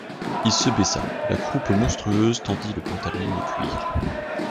Il se baissa: la croupe monstrueuse tendit le pantalon de cuir.